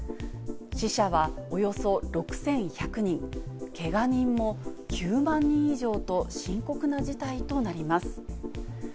死者はおよそ６１００人、けが人も９万人以上と、深刻な事態となります。